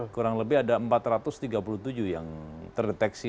kurang lebih ada empat ratus tiga puluh tujuh yang terdeteksi